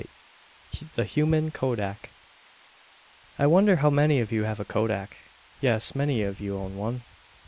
"_ THE HUMAN KODAK I wonder how many of you have a kodak. Yes, many of you own one.